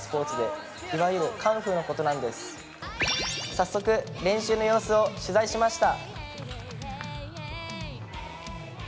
早速、練習の様子を取材しました。